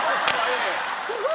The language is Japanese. すごい！